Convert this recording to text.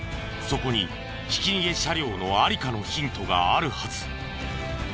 そこにひき逃げ車両の在りかのヒントがあるはず。